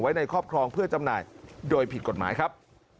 ในครอบครองเพื่อจำหน่ายโดยผิดกฎหมายครับ